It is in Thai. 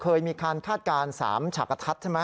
เคยมีการคาดการณ์๓ฉากกระทัดใช่ไหม